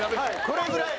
これぐらい。